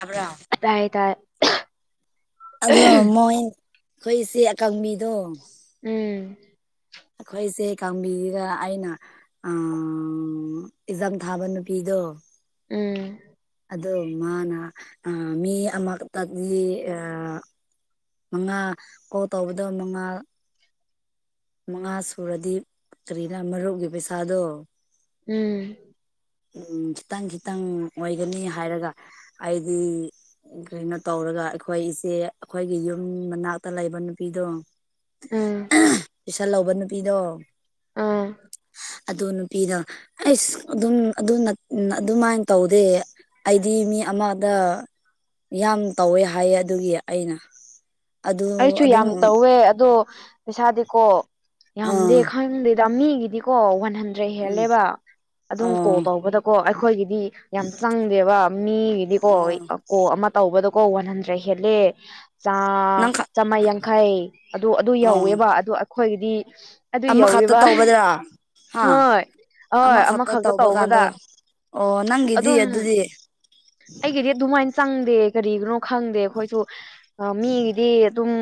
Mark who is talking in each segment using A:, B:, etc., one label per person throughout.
A: ꯇꯥꯕ꯭ꯔꯥ
B: ꯇꯥꯏ ꯇꯥꯏ
A: ꯑꯗꯣ ꯃꯣꯏ ꯑꯩꯈꯣꯏꯁꯦ ꯑꯀꯪꯕꯤꯗꯣ
B: ꯎꯝ
A: ꯑꯩꯈꯣꯏꯁꯦ ꯀꯥꯡꯕꯤꯁꯤꯗ ꯑꯩꯅ ꯑꯦꯛꯖꯥꯝ ꯊꯥꯕ ꯅꯨꯄꯤꯗꯣ
B: ꯎꯝ
A: ꯑꯣ ꯃꯥꯅ ꯑ ꯃꯤ ꯑꯃꯛꯇꯒꯤ ꯑ ꯃꯉꯥ ꯀꯣ ꯇꯧꯕꯗ ꯃꯉꯥ ꯃꯉꯥ ꯁꯨꯔꯗꯤ ꯀꯔꯤꯅ ꯃꯔꯨꯞꯒꯤ ꯄꯩꯁꯥꯗꯣ
B: ꯎꯝ
A: ꯎꯝ ꯈꯤꯇꯪ ꯈꯤꯇꯪ ꯑꯣꯏꯒꯅꯤ ꯍꯥꯏꯔꯒ ꯑꯩꯗꯤ ꯀꯩꯅꯣ ꯇꯧꯔꯒ ꯑꯩꯈꯣꯏ ꯏꯆꯦ ꯑꯩꯈꯣꯏꯒꯤ ꯌꯨꯝ ꯃꯅꯥꯛꯇ ꯂꯩꯕ ꯅꯨꯄꯤꯗꯣ
B: ꯑꯝ
A: ꯁꯜꯍꯧꯕ ꯅꯨꯄꯤꯗꯣ
B: ꯑꯥ
A: ꯑꯗꯨ ꯅꯨꯄꯤꯗ ꯑꯩꯁ ꯑꯗꯨꯝ ꯑꯗꯨ ꯑꯗꯨꯃꯥꯏꯅ ꯇꯧꯗꯦ ꯑꯩꯗꯤ ꯃꯤ ꯑꯃꯗ ꯌꯥꯝ ꯇꯧꯋꯦ ꯍꯥꯏꯌꯦ ꯑꯗꯨꯒꯤ ꯑꯩꯅ ꯑꯗꯨ
B: ꯑꯩꯁꯨ
A: ꯑꯗꯨꯝ
B: ꯌꯥꯝ ꯇꯧꯋꯦ ꯑꯗꯣ ꯄꯩꯁꯥꯗꯤꯀꯣ ꯌꯥꯝꯗꯦ
A: ꯑꯥ
B: ꯈꯪꯗꯦꯗ ꯃꯤꯒꯤꯗꯤꯀꯣ ꯍꯟꯗ꯭ꯔꯦ
A: ꯎꯝ
B: ꯍꯦꯜꯂꯦꯕ ꯑꯗꯨꯝ ꯀꯣꯜ
A: ꯑꯣ
B: ꯇꯧꯕꯗꯀꯣ ꯑꯩꯈꯣꯏꯒꯤꯗꯤ ꯗꯤ ꯌꯥꯝ ꯆꯪꯗꯦꯕ ꯃꯤꯒꯤꯗꯤꯀꯣ
A: ꯑꯣ
B: ꯀꯣ ꯑꯃ ꯇꯧꯕꯗꯣ ꯀꯣ ꯋꯥꯟ ꯍꯟꯗ꯭ꯔꯦ ꯍꯦꯂꯦ
A: ꯅꯪ
B: ꯆꯥ ꯆꯥꯝꯃꯥ ꯌꯥꯡꯈꯩ ꯑꯗꯨ ꯑꯗꯨ
A: ꯑꯣ
B: ꯌꯧꯋꯦꯕ ꯑꯗꯨ ꯑꯩꯈꯣꯏꯒꯤꯗꯤ ꯑꯗꯨ
A: ꯑꯃꯈꯛꯇ
B: ꯌꯧꯔꯤꯕ
A: ꯇꯧꯕꯗ꯭ꯔꯥ ꯍꯥ
B: ꯍꯣꯏ ꯑꯣꯏ ꯑꯃꯈꯛꯇ
A: ꯇꯧꯕ
B: ꯇꯧꯕꯗ
A: ꯀꯥꯟꯗ ꯑꯣ ꯅꯪꯗꯤ ꯑꯗꯨ ꯑꯗꯨꯗꯤ
B: ꯑꯩꯒꯤꯗꯤꯦ ꯗꯨꯃꯥꯏ ꯏꯟ ꯆꯪꯗꯦ ꯀꯔꯤꯒꯤꯅꯣ ꯈꯪꯗꯦ ꯑꯩꯈꯣꯏꯁꯨ ꯃꯤꯒꯤꯗꯤ ꯑꯗꯨꯝ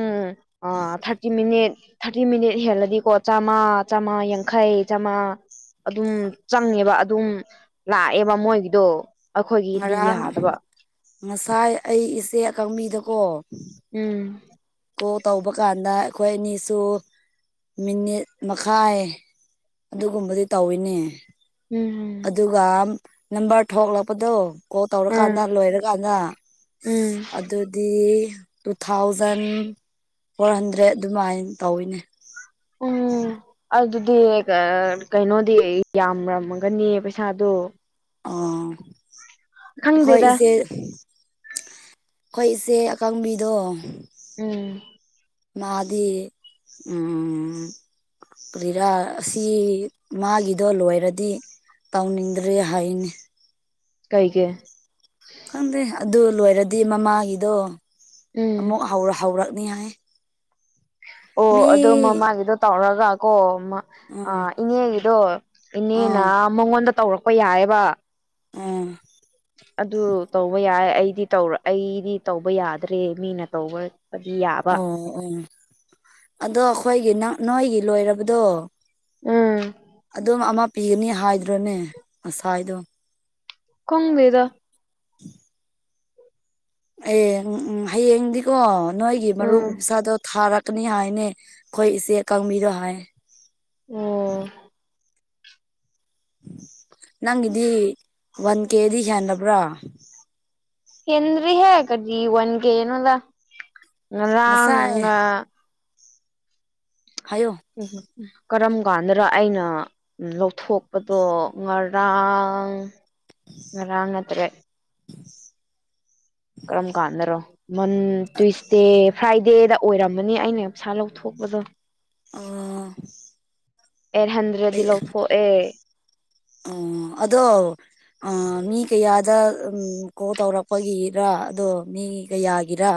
B: ꯑꯣ ꯊꯥꯔꯇꯤ ꯃꯤꯅꯤꯠ ꯊꯥꯔꯇꯤ ꯃꯤꯅꯤꯠ ꯍꯦꯜꯂꯗꯤꯀꯣ ꯆꯥꯝꯃꯥ ꯆꯥꯝꯃꯥ ꯌꯥꯡꯈꯩ ꯆꯥꯝꯃꯉꯥ ꯑꯗꯨꯝ ꯆꯪꯉꯦꯕ ꯑꯗꯨꯝ ꯂꯥꯛꯑꯦꯕ ꯃꯣꯏꯒꯤꯗꯣ ꯑꯩꯈꯣꯏꯒꯤꯗꯤ
A: ꯉꯔꯥꯡ
B: ꯌꯥꯗꯕ
A: ꯉꯁꯥꯏ ꯑꯩ ꯏꯆꯦ ꯑꯀꯪꯕꯤꯗꯀꯣ
B: ꯎꯝ
A: ꯇꯧꯕ ꯀꯥꯟꯗ ꯑꯩꯈꯣꯏ ꯑꯅꯤꯁꯨ ꯃꯤꯅꯤꯠ ꯃꯈꯥꯏ ꯑꯗꯨꯒꯨꯝꯕꯗꯤ ꯇꯧꯋꯤꯅꯦ
B: ꯎꯝ
A: ꯑꯗꯨꯒ ꯅꯝꯕꯔ ꯊꯣꯛꯂꯛꯄꯗꯣ ꯀꯣ ꯇꯧꯔꯀꯥꯟꯗ
B: ꯎꯝ
A: ꯂꯣꯏꯔꯀꯥꯟꯗ
B: ꯎꯝ
A: ꯑꯗꯨꯗꯤ ꯇꯨ ꯊꯥꯎꯖꯟ ꯐꯣꯔ ꯍꯟꯗ꯭ꯔꯦꯗ ꯑꯗꯨꯃꯥꯏꯅ ꯇꯧꯋꯤꯅꯦ
B: ꯎꯝ ꯑꯗꯨꯗ ꯀꯩꯅꯣꯗꯤ ꯌꯥꯝꯔꯝꯒꯅꯤ ꯄꯩꯁꯥꯗꯣ
A: ꯑꯣ
B: ꯈꯪꯗꯦꯗ
A: ꯍꯣꯏꯁꯦ ꯑꯩꯈꯣꯏ ꯏꯆꯦ ꯑꯀꯪꯕꯤꯗꯣ
B: ꯎꯝ
A: ꯃꯥꯗꯤ ꯎ ꯔꯥ ꯑꯁꯤ ꯃꯥꯒꯤꯗꯣ ꯂꯣꯏꯔꯗꯤ ꯇꯧꯅꯤꯡ ꯏꯗ꯭ꯔꯦ ꯍꯥꯏꯅꯤ
B: ꯀꯩ ꯀꯦ
A: ꯈꯪꯗꯦ ꯑꯗꯨ ꯂꯣꯏꯔꯗꯤ ꯃꯃꯥꯒꯤꯗꯣ
B: ꯎꯝ
A: ꯑꯃꯨꯛ ꯍꯧꯔꯛꯅꯤ ꯍꯥꯏ
B: ꯑꯣ
A: ꯃꯤ
B: ꯑꯗꯣ ꯃꯃꯥꯒꯤꯗꯣ ꯇꯧꯔꯒ ꯀꯣ
A: ꯎꯝ
B: ꯏꯅꯦꯒꯤꯗꯣ ꯏꯅꯦꯅ
A: ꯑꯥ
B: ꯃꯉꯣꯟꯗ ꯇꯧꯔꯛꯄ ꯌꯥꯏꯑꯕ
A: ꯎꯝ
B: ꯑꯗꯨ ꯇꯧꯕ ꯌꯥꯏ ꯑꯩꯗꯤ ꯇꯧ ꯑꯩꯗꯤ ꯇꯧꯕ ꯌꯥꯗ꯭ꯔꯦ ꯃꯤꯅ ꯇꯧꯕꯗꯤ ꯌꯥꯕ
A: ꯑꯣ ꯎꯝ ꯑꯗꯣ ꯑꯩꯈꯣꯏꯒꯤ ꯅꯣꯏꯒꯤ ꯂꯣꯏꯔꯕꯗꯣ ꯑꯗꯨꯝ ꯑꯃ ꯄꯤꯒꯅꯤ ꯍꯥꯏꯗ꯭ꯔꯣꯅꯦ ꯉꯁꯥꯏꯗꯣ
B: ꯀꯣꯡꯗꯗ
A: ꯎꯝ ꯑꯦ ꯎꯝ ꯍꯌꯦꯡꯗꯤꯀꯣ ꯅꯣꯏꯒꯤ ꯃꯔꯨꯞ
B: ꯎꯝ
A: ꯄꯁꯥꯗꯣ ꯊꯥꯔꯛ ꯀꯛꯅꯤ ꯍꯥꯏꯅꯦ ꯑꯩꯈꯣꯏ ꯏꯆꯦꯀꯪꯕꯤꯗꯣ ꯍꯥꯏ
B: ꯑꯣ
A: ꯅꯪꯒꯤꯗꯤ ꯋꯥꯟ ꯀꯦꯗꯤ ꯍꯦꯟꯂꯕ꯭ꯔꯥ
B: ꯍꯦꯟꯗ꯭ꯔꯤ ꯍ ꯀꯗꯤꯖꯤ ꯋꯥꯟ ꯀꯦ ꯌꯦꯅꯗ
A: ꯉꯁꯥꯏ
B: ꯉ
A: ꯍꯥꯏꯌꯣ
B: ꯍ ꯍ ꯎꯝ ꯀꯔꯝ ꯀꯥꯟꯗꯗ ꯑꯩꯅ ꯎ ꯂꯧꯊꯣꯛꯄꯗꯣ ꯉꯔꯥꯡ ꯔꯃꯠꯇꯔ ꯀꯔꯝ ꯀꯥꯟꯗꯔꯣ ꯃꯟ ꯇ꯭ꯁꯗꯦ ꯐ꯭ꯔꯥꯏꯗꯦꯗ ꯑꯣꯏꯔꯝꯃꯅꯤ ꯑꯩꯅ ꯄꯩꯁꯥ ꯂꯧꯊꯣꯛ ꯖꯣ
A: ꯑ
B: ꯑꯩꯠ ꯍꯟꯗ꯭ꯔꯦꯗꯗꯤ ꯂꯧꯊꯣꯛꯑꯦ
A: ꯑꯣ ꯑꯗꯣ ꯑ ꯃꯤ ꯀꯌꯥꯗ ꯎꯝ ꯀꯣꯜ ꯇꯧꯔꯛꯄꯒꯤꯔ ꯑꯗꯣ ꯃꯤꯒꯌꯥꯒꯤꯔ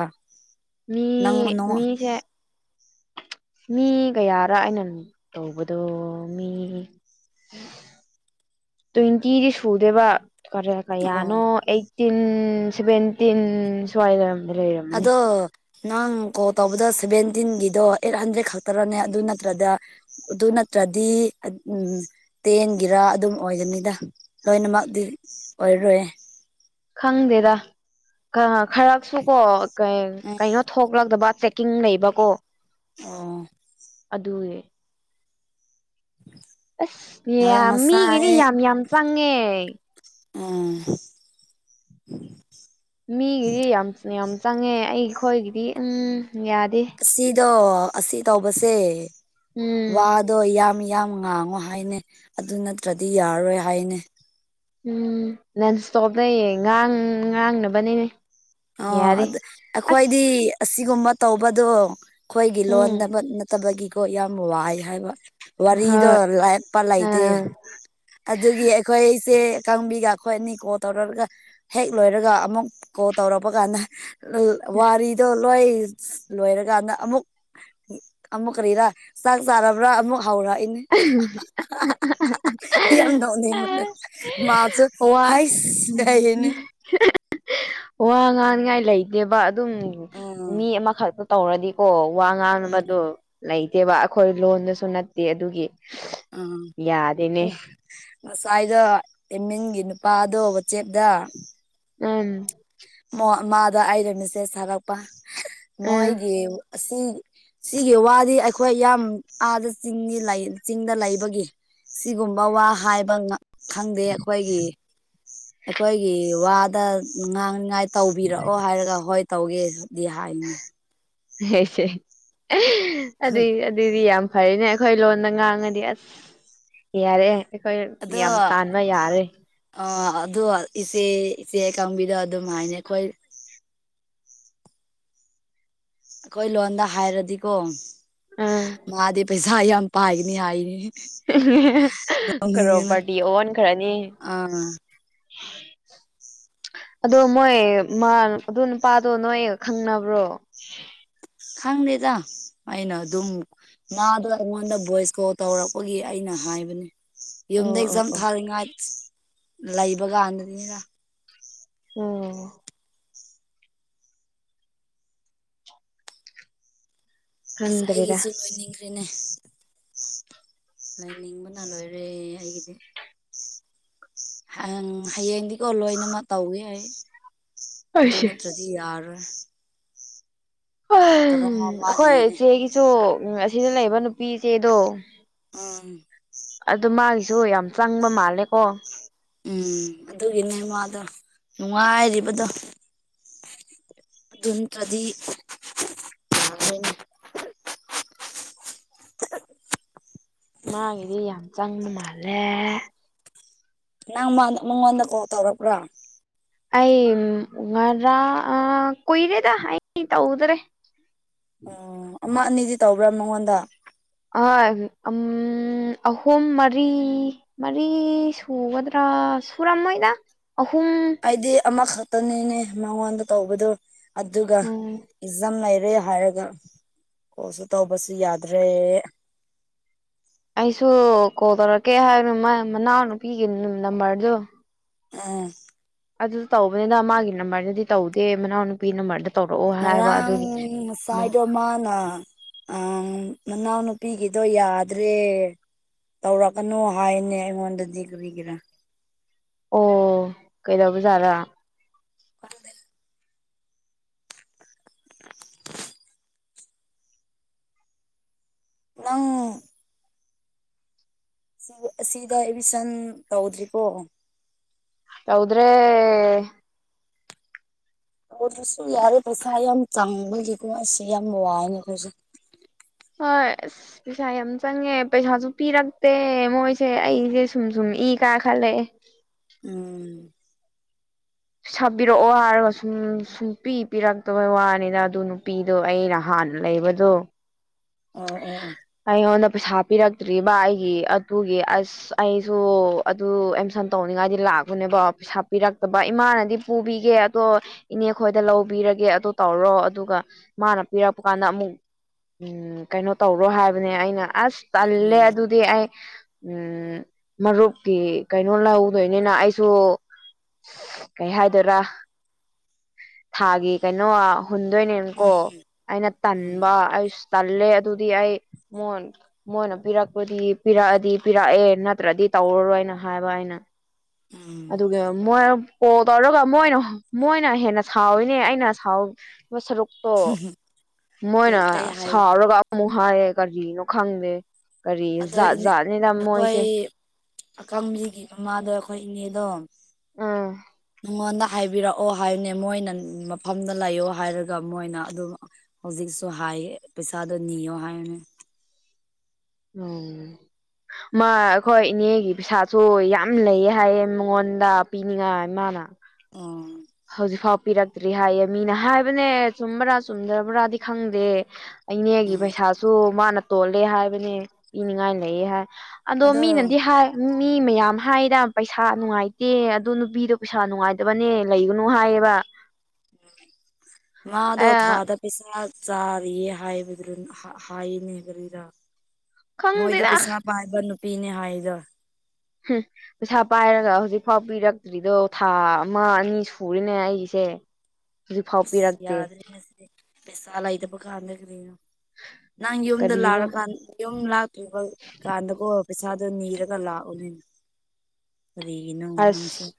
B: ꯃꯤ ꯃꯤꯁꯦ ꯃꯤ ꯀꯌꯥꯔ ꯑꯩꯅ ꯇꯧꯕꯗꯣ ꯃꯤ
A: [unintelligible]
B: ꯇ꯭ꯋ ꯏꯟꯇꯤꯗꯤ ꯁꯨꯗꯦꯕ ꯀꯔꯦ
A: ꯑꯣ
B: ꯀꯌꯥꯅꯣ ꯑꯩꯠꯇꯤꯟ ꯁꯚꯦꯟꯇꯤꯟ ꯁ꯭ꯋꯥꯏꯗ ꯑꯝ ꯂꯩꯔꯝꯃꯅꯤ
A: ꯑꯗꯣ ꯅꯪ ꯀꯣꯜ ꯇꯧꯕꯗ ꯁꯦꯚꯦꯟꯇꯤꯟꯒꯤꯗꯣ ꯑꯩꯠ ꯍꯟꯗ꯭ꯔꯦꯗ ꯈꯛꯇꯔꯅꯦ ꯑꯗꯨ ꯅꯠꯇ꯭ꯔꯗ ꯑꯗꯨ ꯅꯠꯇ꯭ꯔꯗꯤ ꯎꯝ ꯇꯦꯟꯒꯤꯔꯥ ꯑꯗꯨꯝ ꯑꯣꯏꯒꯅꯤꯗ ꯂꯣꯏꯅꯃꯛꯇꯤ ꯑꯣꯏ ꯔꯣꯏ
B: ꯈꯪꯗꯦꯗ ꯈꯔꯁꯨ ꯀꯣ ꯀꯩꯅꯣ ꯊꯣꯛꯂꯛꯇꯕ ꯆꯦꯛꯀꯤꯡ ꯂꯩꯕꯀꯣ
A: ꯎꯝ
B: ꯑꯗꯨꯒꯤ ꯑꯁ
A: ꯑꯣ
B: ꯌꯥꯝ ꯃꯤꯒꯤꯅꯤ
A: ꯉꯁꯥꯏ
B: ꯌꯥꯝ ꯌꯥꯝ ꯆꯪꯉꯦ
A: ꯑꯥ
B: ꯃꯤꯒꯤꯗꯤ ꯌꯥꯝ ꯌꯥꯝ ꯆꯪꯉꯦ ꯑꯩꯈꯣꯏꯒꯤꯗꯤ ꯎꯝ ꯌꯥꯗꯦ
A: ꯑꯁꯤꯗꯣ ꯑꯁꯤ ꯇꯧꯕꯁꯦ
B: ꯎꯝ
A: ꯋꯥꯗꯣ ꯌꯥꯝꯃꯤ ꯌꯥꯝ ꯉꯥꯡꯉꯣ ꯍꯥꯏꯅꯦ ꯑꯗꯨ ꯅꯠꯇ꯭ꯔꯗꯤ ꯌꯥꯔꯔꯣꯏ ꯍꯥꯏꯅꯦ
B: ꯎꯝ ꯅꯟ ꯏꯁꯇꯣꯞ ꯂꯩꯌꯦ ꯉꯥꯡ ꯉꯥꯡꯅꯕꯅꯤꯅꯦ
A: ꯑꯣ
B: ꯌꯥꯔꯦ
A: ꯑꯗꯨ
B: ꯑꯁ
A: ꯑꯩꯈꯣꯏꯗꯤ ꯑꯁꯤꯒꯨꯝꯕ ꯇꯧꯕꯗꯣ ꯑꯩꯈꯣꯏꯒꯤ
B: ꯎꯝ
A: ꯂꯣꯟ ꯅꯠꯇꯕꯒꯤꯀꯣ ꯌꯥꯎ ꯌꯥꯝ ꯋꯥꯏ ꯍꯥꯏꯕ ꯋꯥꯔꯤꯗꯣ
B: ꯍꯣꯏ
A: ꯂꯥꯏꯛꯄ ꯂꯩꯇꯦ
B: ꯑꯥ
A: ꯑꯗꯨꯒꯤ ꯑꯩꯈꯣꯏꯁꯦ ꯀꯥꯡꯕꯤꯒ ꯑꯩꯈꯣꯏ ꯑꯅꯤ ꯀꯣꯜ ꯇꯧꯔꯒ ꯍꯦꯛ ꯂꯣꯏꯔꯒ ꯑꯃꯨꯛ ꯀꯣꯜ ꯇꯧꯔꯛꯄ ꯀꯥꯟꯗ ꯋꯥꯔꯗꯣ ꯂꯣꯏ ꯂꯣꯏꯔꯀꯥꯟꯗ ꯑꯃꯨꯛ ꯑꯃꯨꯛ ꯀꯔꯤꯔꯥ ꯆꯥꯛ ꯆꯥꯔꯕ꯭ꯔꯥ ꯑꯃꯨꯛ ꯍꯥꯎꯔꯛꯏꯅꯦ ꯌꯥꯝ ꯌꯥꯝꯗꯥꯎꯅꯤ ꯃꯅ ꯃꯥꯆ
B: ꯋꯥ
A: ꯍꯥꯏ ꯌꯦꯅꯦ [unintelligible]
B: ꯋꯥ ꯉꯥꯡꯅꯤꯉꯥꯏ ꯂꯩꯇꯦꯕ ꯑꯗꯨꯝ
A: ꯑꯥ
B: ꯃꯤ ꯑꯃꯈꯛꯇ ꯇꯧꯔꯗꯤꯀꯣ ꯋꯥ ꯉꯥꯡꯅꯕꯗꯣ ꯂꯩꯇꯦꯕ ꯑꯩꯈꯣꯏ ꯂꯣꯟꯗꯁꯨ ꯅꯠꯇꯦ ꯑꯗꯨꯒꯤ
A: ꯑ
B: ꯌꯥꯗꯦꯅꯦ
A: ꯉꯁꯥꯏꯗꯣ ꯑꯦꯃꯤꯡꯒꯤ ꯅꯨꯄꯥꯗꯣ ꯋꯥꯆꯦꯞꯗ
B: ꯎ
A: ꯃꯥꯗ ꯑꯔꯅꯁꯦ ꯁꯥꯔꯛꯄ
B: ꯎꯝ
A: ꯃꯣꯏꯒꯤ ꯑꯁꯤ ꯁꯤꯒꯤ ꯋꯥꯗꯤ ꯑꯩꯈꯣꯏ ꯌꯥꯝ ꯑꯥꯗ ꯆꯤꯡꯅꯤ ꯆꯤꯡꯗ ꯂꯩꯕꯒꯤ ꯁꯤꯒꯨꯝꯕ ꯋꯥ ꯍꯥꯏꯕ ꯈꯪꯗꯦ ꯑꯩꯈꯣꯏꯒꯤ ꯑꯩꯈꯣꯏꯒꯤ ꯋꯥꯗ ꯉꯥꯡ ꯉꯥꯏ ꯇꯧꯕꯤꯔꯛꯑꯣ ꯍꯥꯏꯔꯒ ꯍꯣꯏ ꯇꯧꯒꯦ ꯑꯗꯨꯗꯤ ꯍꯥꯏꯅꯤ
B: ꯍꯁꯦ ꯑꯗꯨ ꯑꯗꯨꯗꯤ ꯌꯥꯝ ꯐꯔꯤꯅꯦ ꯑꯩꯈꯣꯏ ꯂꯣꯟꯗ ꯉꯥꯡꯉꯗꯤ ꯑꯁ ꯌꯥꯔꯑꯦ ꯑꯩꯈꯣꯏ ꯌꯥꯝ ꯇꯥꯟꯕ ꯌꯥꯔꯦ
A: ꯑ ꯏꯆꯦ ꯏꯆꯦ ꯀꯥꯡꯕꯤꯗ ꯑꯗꯨꯝ ꯍꯥꯏꯅ ꯑꯩꯈꯣꯏ ꯑꯩꯈꯣꯏ ꯂꯣꯟꯗ ꯍꯥꯏꯔꯗꯤꯀꯣ
B: ꯑꯥ
A: ꯃꯥꯗꯤ ꯄꯩꯁꯥ ꯌꯥꯝ ꯄꯥꯏꯒꯅꯤ ꯍꯥꯏꯅꯤ ꯅꯣꯛꯅꯤꯡꯉꯦꯅ
B: ꯈꯔꯣꯕꯔꯇꯤ ꯑꯣꯟ ꯈꯔꯅꯤ
A: ꯑꯥ [unintelligible]
B: ꯑꯣ ꯃꯣꯏ ꯃꯥ ꯑꯗꯨ ꯅꯨꯄꯥꯗꯣ ꯅꯣꯏ ꯈꯪꯅꯕ꯭ꯔꯣ
A: ꯈꯪꯗꯦꯗ ꯑꯩꯅ ꯑꯗꯨꯝ ꯉꯗꯣ ꯑꯩꯉꯣꯟꯗ ꯚꯣꯏꯁ ꯀꯣꯜ ꯇꯧꯔꯛꯄꯒꯤ ꯑꯩꯅ ꯍꯥꯏꯕꯅꯦ ꯌꯨꯝꯗ
B: ꯑꯣ ꯑꯣ
A: ꯑꯦꯛꯖꯥꯝ
B: ꯑꯣ
A: ꯊꯥꯔꯤꯉꯥꯏ ꯂꯩꯕ ꯀꯥꯟꯗꯗꯤꯅꯤꯗ
B: ꯑꯣ
A: ꯑꯁ
B: ꯈꯪꯗ꯭ꯔꯦꯗ
A: ꯑꯩꯒꯤꯁꯨ ꯂꯣꯏꯅꯤꯡ꯭ꯔ ꯅꯦ ꯂꯥꯏꯅꯤꯡꯕꯅ ꯂꯣꯏꯔꯦ ꯑꯩꯒꯤꯗꯤ ꯑ ꯍꯌꯦꯡꯗꯤꯀꯣ ꯂꯣꯏꯅꯃꯛ ꯇꯧꯋꯦ ꯑꯩ ꯑꯗꯨ
B: ꯑꯩꯁꯦ
A: ꯅꯠꯇ꯭ꯔꯗꯤ ꯌꯥꯔꯣꯏ
B: ꯍ ꯑꯩꯈꯣꯏ
A: ꯋꯥꯠꯂꯤꯌꯦꯅꯦ
B: ꯏꯆꯦꯒꯤꯁꯨ ꯁꯤꯗ ꯂꯩꯕ ꯅꯨꯄꯤꯁꯦꯗꯣ
A: ꯎ
B: ꯑꯗꯨ ꯃꯥꯒꯤꯁꯨ ꯌꯥꯝ ꯆꯪꯕ ꯃꯥꯜꯂꯦꯀꯣ
A: ꯎꯝ ꯑꯗꯨꯒꯤꯅꯦ ꯃꯥꯗꯣ ꯅꯨꯡꯉꯥꯏꯔꯤꯕꯗꯣ ꯟꯀꯗꯤ ꯑ [unintelligible]
B: ꯃꯥꯒꯤꯗꯤ ꯌꯥꯝ ꯆꯪꯕ ꯃꯥꯜꯂꯦ
A: ꯅꯪ ꯃꯉꯣꯟꯗ ꯀꯣꯜ ꯇꯧꯔꯕ꯭ꯔꯣ
B: ꯑꯩ ꯉꯔꯥꯡ ꯀꯨꯏꯔꯦꯗ ꯑꯩ ꯇꯧꯗ꯭ꯔꯦ
A: ꯑꯣ ꯑꯃ ꯑꯅꯤꯗꯤ ꯇꯧꯕ꯭ꯔꯥ ꯃꯉꯣꯟꯗ
B: ꯑꯍꯨꯝ ꯃꯔꯤ ꯃꯔꯤ ꯁꯨꯒꯗ꯭ꯔꯥ ꯁꯨꯔ ꯑꯃ ꯃꯣꯏ ꯑꯍꯨꯝ
A: ꯑꯩꯗꯤ ꯑꯃꯈꯛꯇꯅꯤꯅꯦ ꯃꯉꯣꯟꯗ ꯇꯧꯕꯗꯣ ꯑꯗꯨꯒ
B: ꯎꯝ
A: ꯑꯦꯛꯖꯥꯝ ꯂꯩꯔ ꯔꯦ ꯍꯥꯏꯔꯒ ꯀꯣꯁꯨ ꯇꯧꯕꯁꯨ ꯌꯥꯗ꯭ꯔꯦ
B: ꯑꯩꯁꯨ ꯀꯣꯜ ꯇꯧꯔꯛꯀꯦ ꯍꯥꯏꯕꯅ ꯃꯅꯥꯎꯅꯨꯄꯤꯒꯤ ꯅꯝꯕꯔꯗꯨꯣ
A: ꯎꯝ
B: ꯑꯗꯨ ꯇꯧꯕꯅꯤꯅ ꯃꯥꯒꯤ ꯅꯝꯕꯔꯗꯗꯤ ꯇꯧꯗꯦ ꯃꯅꯥꯎꯅ ꯅꯨꯄꯤ ꯅꯝꯕꯔꯗ ꯇꯧꯔꯛꯑꯣ ꯍꯥꯏꯕ ꯑꯗꯨꯒꯤ
A: ꯉꯔꯥꯡꯁꯥꯏꯗꯃꯅ ꯑ ꯃꯅꯥꯎ ꯅꯨꯄꯤꯒꯤꯗꯣ ꯌꯥꯗ꯭ꯔꯦ ꯇꯧꯔꯛꯀꯅꯨ ꯍꯥꯏꯅꯦ ꯑꯩꯉꯣꯟꯗꯗꯤ ꯀꯔꯤꯒꯦꯔꯥ
B: ꯑꯣ ꯀꯩꯗꯧꯕꯖꯥꯔ
A: ꯑꯪ ꯁꯤ ꯁꯤꯗ ꯑꯦꯗꯃꯤꯁꯟ ꯇꯧꯗ꯭ꯔꯤꯀꯣ
B: ꯇꯎꯗ꯭ꯔꯦ
A: ꯑꯗꯨꯁꯨ ꯌꯥꯔꯦ ꯄꯩꯁꯥ ꯌꯥꯝ ꯇꯪꯕꯒꯤꯀꯣ ꯑꯁꯦ ꯌꯥꯝ ꯋꯥꯏꯅꯦꯈꯣꯏꯖꯤꯛ
B: ꯍꯣꯏ ꯑꯁ ꯄꯩꯁꯥ ꯌꯥꯝ ꯆꯪꯉꯦ ꯄꯩꯁꯥꯁꯨ ꯄꯤꯔꯛꯇꯦ ꯃꯣꯏꯁꯦ ꯑꯩꯁꯦ ꯁꯨꯝ ꯁꯨꯝ ꯏ ꯀꯥ ꯈꯦ
A: ꯎꯝ
B: ꯁꯥꯕꯤꯔꯛꯑꯣ ꯍꯥꯏꯔꯒ ꯁꯨꯝ ꯁꯨꯡ ꯄ ꯄꯤꯔꯛꯇꯕꯩ ꯋꯥꯅꯤꯅ ꯑꯗꯨ ꯅꯨꯄꯤꯗꯣ ꯑꯩꯅ ꯍꯥꯟ ꯅ ꯂꯩꯕꯗꯣ
A: ꯑꯣ ꯑꯣ
B: ꯑꯩ ꯍꯅ ꯄꯩꯁꯥ ꯄꯤꯔꯛꯇ꯭ꯔꯤꯕ ꯑꯩꯒꯤ ꯑꯗꯨꯒꯤ ꯑꯁ ꯑꯩꯁꯨ ꯑꯗꯨ ꯑꯦꯝꯁꯟ ꯇꯧꯅꯤꯡꯉꯥꯏꯗꯤ ꯂꯥꯛ ꯅꯦꯕꯣ ꯄꯩꯁꯥ ꯄꯤꯔꯛꯇꯕ ꯏꯃꯥꯅꯗꯤ ꯄꯨꯕꯤꯒꯦ ꯑꯗꯣ ꯏꯅꯦ ꯈꯣꯏꯗ ꯂꯧꯕꯤꯔꯒꯦ ꯑꯣ ꯇꯧꯔ ꯇꯔꯣ ꯑꯗꯨꯒ ꯃꯥꯅ ꯄꯤꯔꯛꯄ ꯀꯥꯟꯗ ꯑꯃꯨꯛ ꯎ ꯀꯩꯅꯣ ꯇꯧꯔꯣ ꯍꯥꯏꯕꯅꯦ ꯑꯩꯅ ꯑꯁ ꯇꯜꯂꯦ
A: ꯎꯝ
B: ꯑꯗꯨꯗꯤ ꯑꯩ ꯎꯝ ꯃꯔꯨꯞꯀꯤ ꯀꯩꯅꯣ ꯂꯧꯍꯧꯗꯣꯏꯅꯤꯅ ꯑꯩꯁꯨ ꯀꯩ ꯍꯥꯏꯗꯣꯏꯔ ꯊꯥꯒꯤ ꯀꯩꯅꯣ ꯍꯨꯟꯗꯣꯏꯅꯦꯅꯀꯣ
A: ꯎꯝ
B: ꯑꯩꯅ ꯇꯟꯕ ꯑꯩꯁꯨ ꯇꯜꯂꯦ ꯑꯗꯨꯗꯤ ꯑꯩ ꯃ ꯃꯣꯏꯅ ꯄꯤꯔꯛꯄꯗꯤ ꯄꯤꯔꯛꯑꯗꯤ ꯄꯤꯔꯛꯑꯦ ꯅꯠꯇ꯭ꯔꯗꯤ ꯇꯧꯔꯔꯣꯏ ꯩꯅ ꯍꯥꯏꯕ ꯍꯥꯏꯩꯅ
A: ꯎꯝ
B: ꯑꯗꯨꯒ ꯃꯣꯏ ꯀꯣꯜ ꯇꯧꯔꯒ ꯃꯣꯏꯅ ꯃꯣꯏꯅ ꯍꯦꯟꯅ ꯁꯥꯎꯋꯤꯅꯦ ꯑꯩꯅ ꯁꯥꯎ ꯁꯔꯨꯛꯇꯣ ꯃꯣꯏꯅ
A: ꯀꯩ ꯍꯥꯏ
B: ꯁꯥꯎꯔꯒ ꯍꯥꯏꯌꯦ ꯀꯔꯖꯤꯅ ꯈꯪꯗꯦ ꯀꯔꯤ
A: ꯑꯗꯣ
B: ꯖꯥꯠ
A: ꯏꯅꯦ
B: ꯖꯥꯠꯅꯤꯗ
A: ꯑꯩꯈꯣꯏ
B: ꯃꯣꯏꯁꯦ
A: ꯑꯈꯪꯕꯤꯒꯤ ꯃꯃꯥꯗꯣ ꯑꯩꯈꯣꯏ ꯏꯅꯦꯗꯣ
B: ꯎꯝ
A: ꯃ ꯍꯥꯏꯕꯤꯔꯛꯑꯣ ꯍꯥꯏꯅꯦ ꯃꯣꯏꯅ ꯃꯐꯝꯗ ꯂꯩꯌꯣ ꯍꯥꯏꯔꯒ ꯃꯣꯏꯅ ꯑꯗꯨꯝ ꯍꯧꯖꯤꯛꯁꯨ ꯍꯥꯏ ꯄꯩꯁꯥꯗꯅꯤꯌꯣ ꯍꯥꯏ
B: ꯎꯝ ꯃꯥ ꯑꯩꯈꯣꯏ ꯏꯅꯦꯒꯤ ꯄꯩꯁꯥꯁꯨ ꯌꯥꯝ ꯂꯩꯌꯦ ꯍꯥꯏꯌꯦ ꯃꯉꯣꯟꯗ ꯄꯤꯅꯤꯡꯉꯥꯏ ꯏꯃꯅ
A: ꯑꯣ
B: ꯠꯇ꯭ꯔꯤ ꯍꯥꯏꯌꯦ ꯃꯤꯅ ꯍꯥꯏꯕꯅꯦ ꯆꯨꯝꯕ꯭ꯔꯥ ꯆꯨꯝꯗ꯭ꯔꯕ꯭ꯔꯥꯗꯤ ꯈꯪꯗꯦ ꯑꯩꯅꯦꯒꯤ
A: ꯎꯝ
B: ꯄꯩꯁꯥꯁꯨ ꯃꯥꯅ ꯇꯣꯜꯂꯦ ꯍꯥꯏꯕꯅꯦ ꯄꯤꯅꯤꯡꯉꯥꯏ ꯂꯩꯌꯦ ꯍꯥꯏ ꯑꯗꯣ ꯃꯤꯅꯗꯤ ꯍꯥꯏ ꯃꯤ ꯃꯌꯥꯝ ꯍꯥꯏꯗ ꯄꯩꯁꯥ ꯅꯨꯡꯉꯥꯏꯇꯦ ꯑꯗꯣ ꯅꯨꯄꯤꯗꯣ ꯄꯩꯁꯥ ꯅꯨꯡꯉꯥꯏꯇꯕꯅꯦ ꯂꯒꯨꯅꯨꯍ ꯑꯦ
A: ꯎꯝ ꯃꯥꯗꯣ ꯊꯥꯗ ꯄꯩꯁꯥ ꯆꯥꯔꯌꯦ ꯍꯥꯏꯕ ꯍꯥꯏꯅꯦ ꯍꯥꯏꯒꯔ ꯃꯣꯏꯗꯤ
B: ꯈꯪꯗꯦꯗ
A: ꯄꯩꯁꯥ ꯄꯥꯏꯕ ꯅꯨꯄꯤꯅꯦ ꯍꯥꯏꯗ
B: ꯎꯝ ꯄꯩꯁꯥ ꯄꯥꯏꯔꯒ ꯍꯧꯖꯤꯛꯐꯥꯎ ꯄꯤꯔꯛꯇ꯭ꯔꯤꯗꯣ ꯊꯥ ꯑꯃ ꯑꯅꯤ ꯁꯨꯔꯤꯅꯦ ꯑꯩꯒꯤꯁꯦ ꯍꯧꯖꯤꯛꯐꯥꯎ ꯄꯤꯔꯛꯇꯦ
A: ꯌꯥꯗꯁꯤꯗꯤ ꯄꯩꯁꯥꯂꯥꯏꯗ ꯄꯀꯥ ꯂꯒ ꯅꯪ ꯌꯨꯝꯗ
B: ꯀꯔꯤꯅꯣ
A: ꯂꯥꯛꯔꯀꯥꯟ ꯌꯨꯝ ꯂꯥꯛꯇ꯭ꯔꯤꯕ ꯀꯥꯟꯗꯀꯣ ꯄꯩꯁꯥꯗ ꯑꯅꯤꯔꯒꯂꯥ ꯑꯣꯅꯦꯅ
B: ꯑꯁ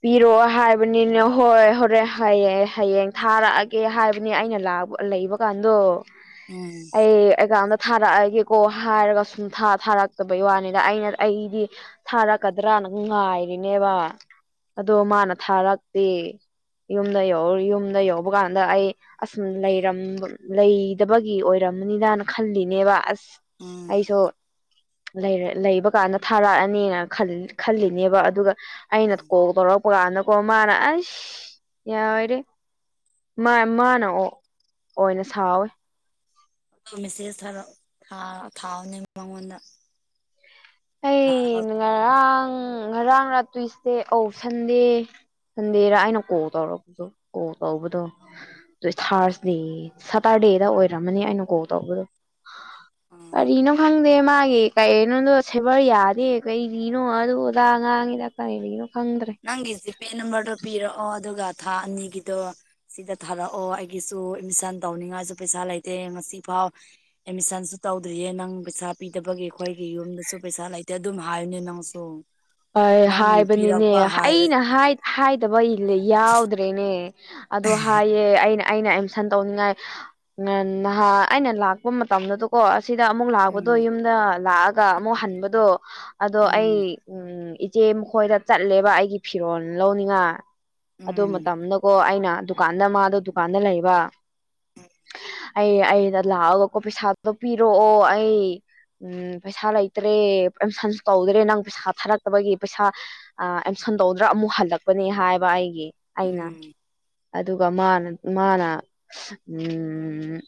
B: ꯄꯤꯔꯛꯑꯣ ꯍꯥꯏꯕꯅꯤꯅ ꯍꯣꯏ ꯍꯣꯔꯦ ꯍꯌꯦꯑꯡ ꯍꯌꯦꯡ ꯊꯥꯔꯛꯑꯒꯦ ꯍꯥꯏꯕꯅꯦ ꯑꯩꯅꯥꯛ ꯂꯩꯕ ꯀꯥꯟꯗꯣ
A: ꯎꯝ
B: ꯑꯩ ꯑꯩꯒꯥꯎꯗ ꯊꯥꯔꯛꯑꯒꯦꯀꯣ ꯍꯥꯏꯔꯒ ꯁꯨꯝ ꯊꯥꯔꯛꯇꯕꯩ ꯋꯥꯅꯤꯗ ꯑꯩꯅ ꯑꯩꯗꯤ ꯊꯥꯔꯛꯀꯗ꯭ꯔꯥ ꯃꯥꯅ ꯉꯥꯏꯔꯤꯅꯦꯕ ꯑꯗꯣ ꯃꯥꯅ ꯊꯥꯔꯛꯇꯦ ꯌꯨꯝꯗ ꯌ ꯌꯨꯝꯗ ꯌꯧꯕ ꯀꯥꯟꯗ ꯑꯩ ꯑꯁꯨꯝ ꯂꯩꯔ ꯂꯩꯗꯕꯒꯤ ꯑꯣꯏꯔꯝ ꯅꯤꯗꯥꯅ ꯈꯜꯂꯤꯅꯦꯕ ꯑꯁ
A: ꯎꯝ
B: ꯑꯩꯁꯨ ꯂꯩꯕ ꯀꯥꯟꯗ ꯊꯥꯔꯛꯑꯅꯤꯅ ꯈꯜꯂꯤꯅꯦꯕ ꯑꯗꯨꯒ ꯑꯩꯅ ꯀꯣꯛ ꯇꯧꯔꯛꯄ ꯀꯥꯟꯗꯀꯣ ꯃꯥꯅ ꯑꯁ ꯌꯥꯏꯔꯦ ꯃꯥꯅ ꯑꯣꯏꯅ ꯁꯥꯎꯋꯦ
A: ꯑ ꯃꯦꯁꯦꯖ ꯈꯔ ꯊꯥꯎꯅꯦ ꯃꯉꯣꯟꯗ
B: ꯑꯩ
A: ꯊꯥꯔꯒ
B: ꯉꯔꯥꯡ ꯉꯔꯥꯡꯅ ꯇꯨꯏꯁꯗꯦ ꯑꯧ ꯁꯟꯗꯦ ꯁꯟꯗꯦꯔ ꯑꯩꯅ ꯀꯣ ꯇꯧꯔꯛꯄꯗꯣ ꯀꯣ ꯇꯧꯕꯗꯣ ꯑꯗꯨ ꯊꯔꯁꯗꯦ ꯁꯇꯔꯗꯦ ꯗꯦꯗ ꯑꯣꯏꯔꯝꯃꯅꯤ ꯑꯩꯅ ꯀꯣ ꯇꯧꯕꯗꯣ
A: ꯎꯝ
B: ꯑꯔꯤꯅꯣ ꯍꯪꯗꯦ ꯃꯥꯒꯤꯦ ꯀ ꯏꯅꯣ ꯁꯦꯕꯔ ꯌꯥꯗꯦ ꯀꯩꯔꯤꯅꯣ ꯑꯗꯨ ꯑꯣꯗꯥꯥꯛ ꯑ ꯉꯥꯡꯉꯤꯗ ꯀꯔꯤꯔꯤꯅꯣ
A: ꯅꯪꯒꯤ ꯖꯤꯄꯦ ꯅꯝꯕꯔꯗꯣ ꯄꯤꯔꯛꯑꯣ ꯑꯗꯨꯒ ꯊꯥ ꯑꯅꯤꯒꯤꯗꯣ ꯁꯤꯗ ꯊꯥꯔꯛꯑꯣ ꯑꯩꯒꯤꯁꯨ ꯑꯦꯠꯃꯤꯁꯟ ꯇꯧꯅꯤꯡꯉꯥꯏꯁꯨ ꯄꯩꯁꯥ ꯂꯩꯇꯦ ꯉꯁꯤ ꯐꯥꯎ ꯑꯦꯗꯃꯤꯁꯟ ꯇꯧꯗ꯭ꯔꯤꯌꯦ ꯅꯪ ꯄꯩꯁꯥ ꯄꯤꯗꯕꯒꯤ ꯑꯩꯈꯣꯏꯒꯤ ꯌꯨꯝꯗꯁꯨ ꯄꯩꯁꯥ ꯂꯩꯇꯦ ꯑꯗꯨꯝ ꯍꯥꯏꯌꯨꯅꯦ ꯅꯪꯁꯨ
B: ꯑ
A: ꯅꯪꯒꯤ
B: ꯍꯥꯏꯕꯅꯤꯅꯦ
A: ꯄꯤꯔꯛꯄ ꯍꯥꯏ
B: ꯑꯩꯅ ꯍꯥꯏꯗꯕ ꯌꯥꯎꯗ꯭ꯔꯦꯅꯦ ꯑꯗꯣ ꯍꯥꯏꯦ ꯑꯩꯅ ꯑꯩꯅ ꯑꯦꯗꯃꯤꯁꯟ ꯇꯧꯅꯤꯡꯉꯥꯏ ꯅꯍꯥ ꯑꯩꯅ ꯂꯥꯛꯄ ꯃꯇꯝꯗꯨꯗꯀꯣ ꯑꯁ ꯁꯤꯗ ꯑꯃꯨꯛ ꯂꯥꯛꯄꯗꯣ
A: ꯎꯝ
B: ꯌꯨꯝꯗ ꯂꯥꯛꯑꯒ ꯑꯃꯨꯛ ꯍꯟꯕꯗꯣ ꯑꯗꯣ ꯑꯩ
A: ꯎꯝ
B: ꯎꯝ ꯏꯆꯦ ꯃꯈꯣꯏꯗ ꯆꯠꯂꯦꯕ ꯑꯩꯒꯤ ꯐꯤꯔꯣꯜ ꯂꯧꯅꯤꯡꯉ ꯑꯗꯨ
A: ꯎꯝ
B: ꯃꯇꯝꯗꯀꯣ ꯑꯩꯅ ꯗꯨꯀꯥꯟꯗ ꯃꯥꯗꯣ ꯗꯨꯀꯥꯟꯗ ꯂꯩꯕ ꯑꯩ ꯑꯩꯅ ꯂꯥꯛꯑꯒꯀꯣ ꯄꯩꯁꯥꯗꯣ ꯄꯤꯔꯛꯑꯣ ꯑꯩ ꯎꯝ ꯄꯩꯁꯥ ꯂꯩꯇ꯭ꯔꯦ ꯑ ꯁꯟ ꯇꯧꯗ꯭ꯔꯦ ꯅꯪ ꯄꯩꯁꯥ ꯊꯥꯔꯛꯇꯕꯒꯤ ꯄꯩꯁꯥ ꯑꯦꯝꯁꯟ ꯇꯧꯗ꯭ꯔꯥ ꯑꯃꯨꯛ ꯍꯜꯂꯛꯄꯅꯦ ꯍꯥꯏꯕ ꯑꯩꯒꯤ ꯑꯩꯅ
A: ꯎꯝ
B: ꯑꯗꯨꯒ ꯃꯥꯅ ꯃꯥꯅ ꯎꯝ